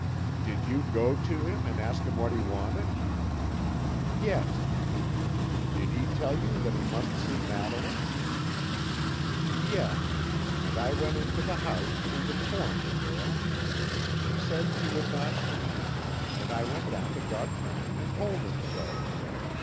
"Did you go to him, and ask him what he wanted?" "Yes." "Did he tell you that he must see Madeline?" "Yes, and I went into the house, and informed the girl. She said she would not see him, and I went down to Gautran and told him so.